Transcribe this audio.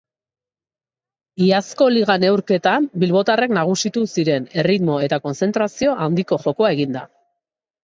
Iazko liga neurketan bilbotarrak nagusitu ziren, erritmo eta kontzentrazio handiko jokoa eginda.